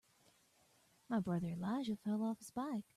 My brother Elijah fell off his bike.